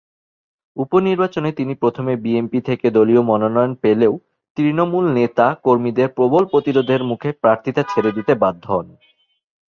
উপনির্বাচনে তিনি প্রথমে বিএনপি থেকে দলীয় মনোনয়ন পেলেও তৃণমূল নেতা-কর্মীদের প্রবল প্রতিরোধের মুখে প্রার্থিতা ছেড়ে দিতে বাধ্য হন।